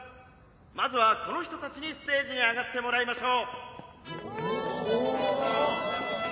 まずはこの人たちにステージに上がってもらいましょう！」。